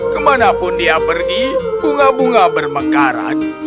kemanapun dia pergi bunga bunga bermekaran